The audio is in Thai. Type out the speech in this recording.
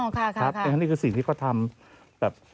อ๋อค่ะครับนี่คือสิ่งที่เขาทำแบบ